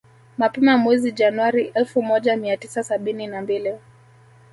Mapema mwezi Januari elfu moja mia tisa sabini na mbili